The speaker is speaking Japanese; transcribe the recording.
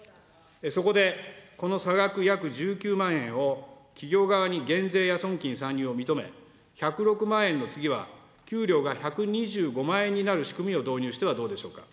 そこでこの差額約１９万円を企業側に減税や損金算入を認め、１０６万円の次は給料が１２５万円になる仕組みを導入してはどうでしょうか。